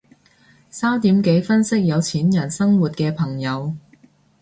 三點幾分析有錢人生活嘅朋友